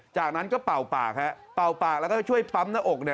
จากนั้นก็เป่าปากเป่าปากแล้วก็ช่วยปั๊มหน้าอก